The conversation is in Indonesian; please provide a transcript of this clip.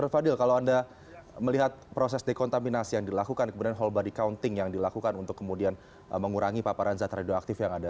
fadil kalau anda melihat proses dekontaminasi yang dilakukan kemudian whole body counting yang dilakukan untuk kemudian mengurangi paparan zat radioaktif yang ada